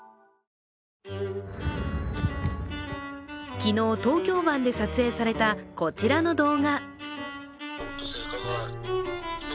昨日、東京湾で撮影されたこちらの動画。